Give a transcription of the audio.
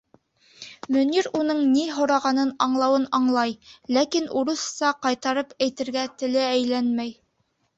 Мөнир уның ни һорағанын аңлауын-аңлай, ләкин урыҫса ҡайтарып әйтергә теле әйләнмәй.